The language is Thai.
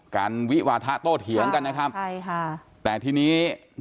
การวิวาทะโตเถียงกันนะครับแต่ทีนี้ค่ะใช่ค่ะ